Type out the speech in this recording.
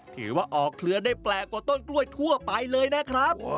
ถือว่าออกเครือได้แปลกกว่าต้นกล้วยทั่วไปเลยนะครับ